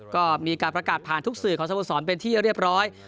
ก็มีการประกาศผ่านทุกส่วนสรุปของสมุทรสอนเป็นที่เรียบร้อย